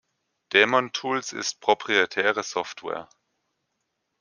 Daemon Tools ist proprietäre Software.